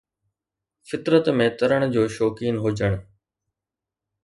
فطرت ۾ ترڻ جو شوقين هجڻ